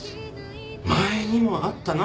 前にもあったな